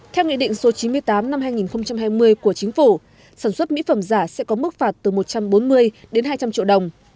theo nghị định số chín mươi tám năm hai nghìn hai mươi của chính phủ sản xuất mỹ phẩm giả sẽ có mức phạt từ một trăm bốn mươi đến hai trăm linh triệu đồng